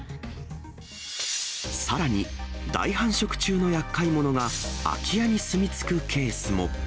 さらに、大繁殖中のやっかい者が、空き家に住み着くケースも。